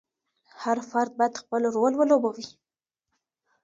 هر فرد باید خپل رول ولوبوي.